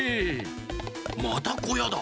またこやだ。